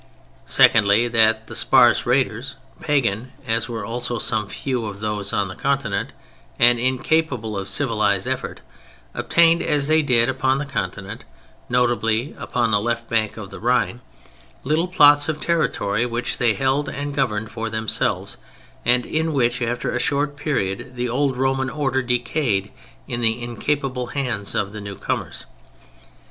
Secondly, that the sparse raiders, Pagan (as were also some few of those on the Continent) and incapable of civilized effort, obtained, as they did upon the Continent (notably on the left bank of the Rhine), little plots of territory which they held and governed for themselves, and in which after a short period the old Roman order decayed in the incapable hands of the newcomers.